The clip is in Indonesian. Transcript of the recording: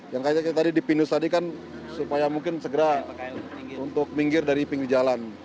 yang kayaknya tadi dipinus tadi kan supaya mungkin segera untuk minggir dari pinggir jalan